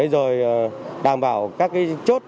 rồi đảm bảo các cái chốt